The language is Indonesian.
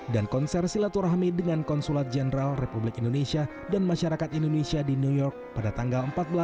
dan konser silaturahmi dengan konsulat jenderal republik indonesia dan masyarakat indonesia di new york pada tanggal empat belas dan enam belas desember dua ribu sembilan belas